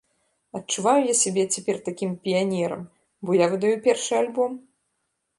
Адчуваю я сябе цяпер такім піянерам, бо я выдаю першы альбом!